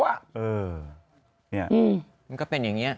มันก็เป็นอย่างนี้